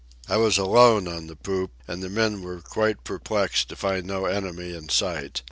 I was alone on the poop, and the men were quite perplexed to find no enemy in sight.